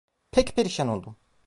Pek perişan oldum…